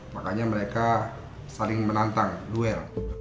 makanya mereka saling menantang duel